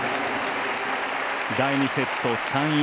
第２セット、３−１。